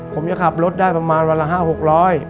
ผมจะขับรถได้ประมาณวันละ๕๖๐๐บาท